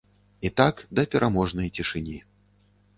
І так да пераможнай цішыні.